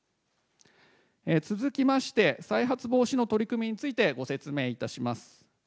続きまして、再発防止の取り組みについて、ご説明いたします。